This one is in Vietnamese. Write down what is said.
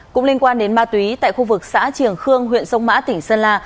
cũng liên quan đến ma túy tại khu vực xã triềng khương huyện sông mã tỉnh sơn la